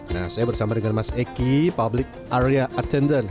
nah saya bersama dengan mas eky public area attendant